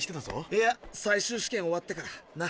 いや最終試験終わってからな。